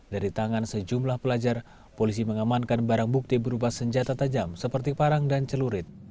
dari tangan sejumlah pelajar polisi mengamankan barang bukti berupa senjata tajam seperti parang dan celurit